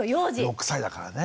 ６歳だからね。